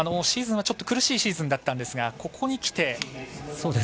シーズンは、ちょっと苦しいシーズンだったんですがここにきて、復調。